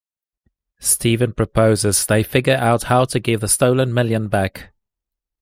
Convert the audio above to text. Stephen proposes they figure out how to give the stolen million back.